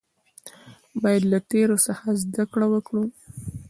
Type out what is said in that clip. باید له تیرو څخه زده کړه وکړو